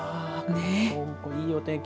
いいお天気。